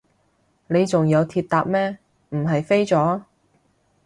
你仲有鐵搭咩，唔係飛咗？